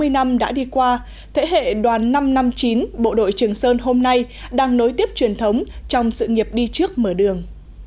sáu mươi năm đã đi qua thế hệ đoàn năm trăm năm mươi chín bộ đội trường sơn hôm nay đang nối tiếp truyền thống trong sự nghiệp đi trước mở đường